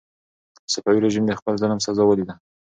صفوي رژیم د خپل ظلم سزا ولیده.